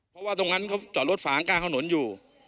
เพราะว่าตรงนั้นเขาจอดรถฝางกลางถนนอยู่